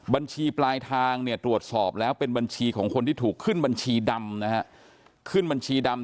บัญชีปลายทางตรวจสอบแล้วเป็นบัญชีของคนที่ถูกขึ้นบัญชีดำ